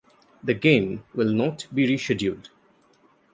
The game will not be rescheduled.